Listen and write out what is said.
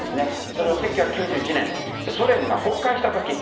それは１９９１年ソ連が崩壊した時。